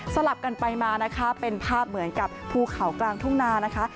ลับกันไปมานะคะเป็นภาพเหมือนกับภูเขากลางทุ่งนานะคะ